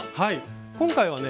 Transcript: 今回はね